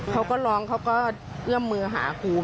เขาก็ร้องเขาก็เอื้อมมือหาครู